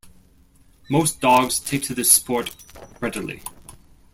Most dogs take to this sport readily.